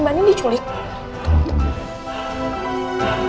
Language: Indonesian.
bu andien diculik tunggu tunggu